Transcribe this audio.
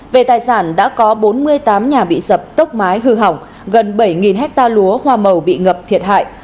về tài sản đã có bốn mươi tám nhà bị sập tốc mái hư hỏng gần bảy hecta lúa hoa màu bị ngập thiệt hại